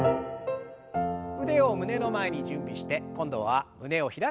腕を胸の前に準備して今度は胸を開く運動です。